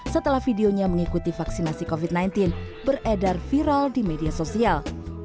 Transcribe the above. setelah videonya mengikuti vaksinasi covid sembilan belas beredar viral di media sosial